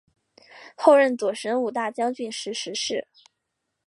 后任左神武大将军时逝世。